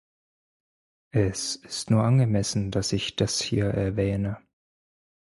Es ist nur angemessen, dass ich das hier erwähne.